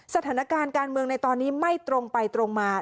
สถานการณ์การเมืองในตอนนี้ไม่ตรงไปตรงมา